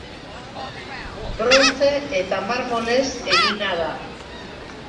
Brontze eta marmolez egina da.